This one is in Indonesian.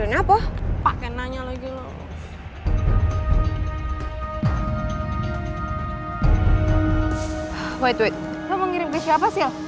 wait wait lo mau kirim ke siapa sil